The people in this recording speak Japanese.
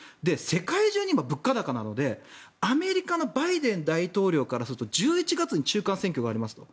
世界中が今、物価高なのでアメリカのバイデン大統領からすると１１月に中間選挙がありますと。